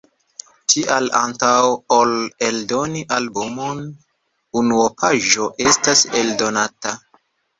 Tial, antaŭ ol eldoni albumon, unuopaĵo estas eldonata.